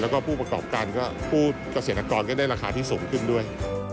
แล้วก็ผู้ประกอบการผู้เกษตรกรก็ได้ราคาที่สูงขึ้นด้วย